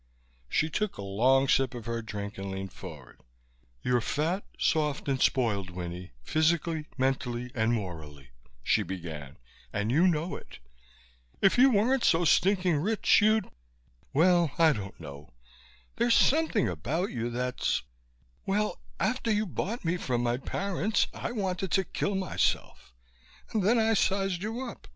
She took a long sip of her drink and leaned forward. "You're fat, soft and spoiled, Winnie, physically, mentally and morally," she began, "and you know it. If you weren't so stinking rich you'd well, I don't know. There's something about you that's Well, after you bought me from my parents, I wanted to kill myself and then I sized you up.